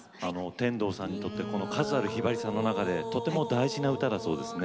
天童さんにとってこの数あるひばりさんの中でとても大事な歌だそうですね。